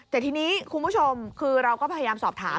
แต่ทีนี้คุณผู้ชมคือเราก็พยายามสอบถาม